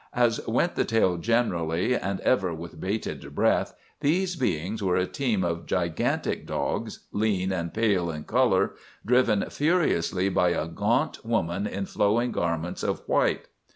"As went the tale generally, and ever with bated breath, these beings were a team of gigantic dogs, lean and pale in color, driven furiously by a gaunt woman in flowing garments of white.